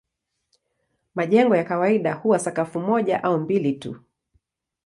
Majengo ya kawaida huwa sakafu moja au mbili tu.